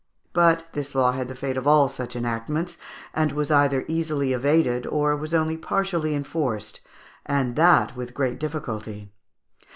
But this law had the fate of all such enactments, and was either easily evaded, or was only partially enforced, and that with great difficulty.